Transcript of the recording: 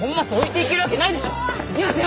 行きますよ！